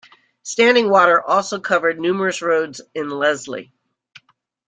Standing water also covered numerous roads in Leslie.